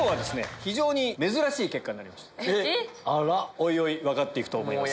おいおい分かってくと思います。